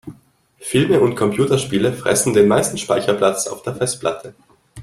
Filme und Computerspiele fressen den meisten Speicherplatz auf der Festplatte.